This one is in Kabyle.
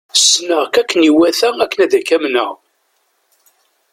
Ssneɣ-k akken i iwata akken ad k-amneɣ.